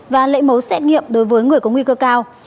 và lấy mẫu xét nghiệm đối với người có nguy cơ cao